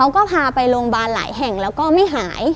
ก็พาไปโรงพยาบาลหลายแห่งแล้วก็ไม่หาย